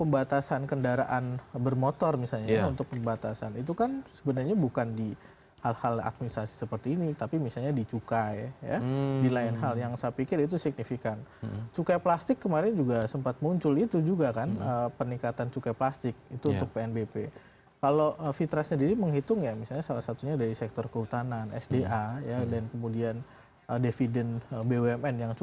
bbm kan penggunanya harian